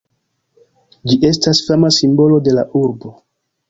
Ĝi estas fama simbolo de la urbo.